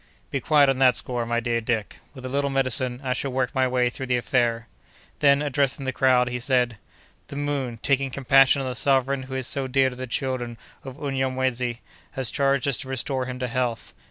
"Be quiet on that score, my dear Dick. With a little medicine, I shall work my way through the affair!" Then, addressing the crowd, he said: "The moon, taking compassion on the sovereign who is so dear to the children of Unyamwezy, has charged us to restore him to health.